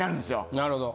なるほど。